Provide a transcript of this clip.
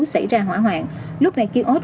xảy ra hỏa hoạn lúc này kia ốt